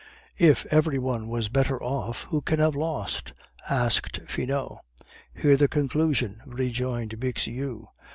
"If every one was better off, who can have lost?" asked Finot. "Hear the conclusion," rejoined Bixiou.